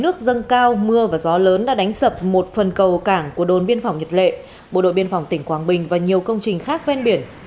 nước dâng cao mưa và gió lớn đã đánh sập một phần cầu cảng của đồn biên phòng nhật lệ bộ đội biên phòng tỉnh quảng bình và nhiều công trình khác ven biển